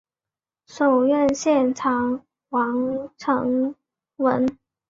首任县长王成文。